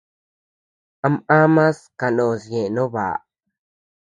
Am amas kanós ñeʼe no baʼa.